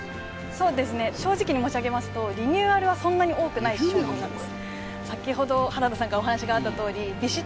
そうですね正直に申し上げますとリニューアルはそんなに多くない商品なんです